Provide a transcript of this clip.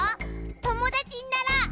ともだちになろう！